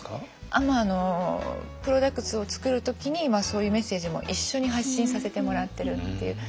プロダクツを作る時にそういうメッセージも一緒に発信させてもらってるっていう。